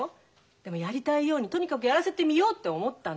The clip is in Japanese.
でもやりたいようにとにかくやらせてみようって思ったの。